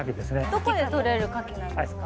どこでとれる牡蠣なんですか？